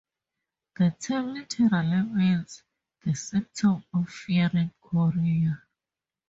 The term literally means "the symptom of fearing Korea".